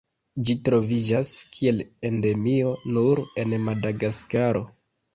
Ĝi troviĝas kiel endemio nur en Madagaskaro.